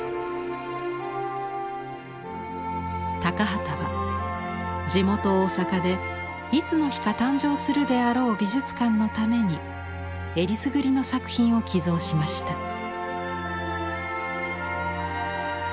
高畠は地元大阪でいつの日か誕生するであろう美術館のためにえりすぐりの作品を寄贈しました。